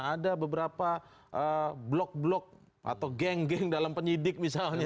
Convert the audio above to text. ada beberapa blok blok atau geng geng dalam penyidik misalnya